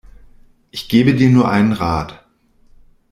Ich gebe dir nur einen Rat.